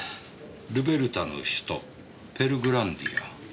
「ルベルタの首都ペルグランディア」